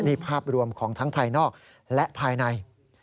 นี่ภาพรวมของทั้งภายนอกและภายใน